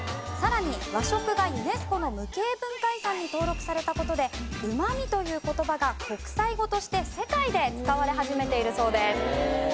さらに和食がユネスコの無形文化遺産に登録された事で「Ｕｍａｍｉ」という言葉が国際語として世界で使われ始めているそうです。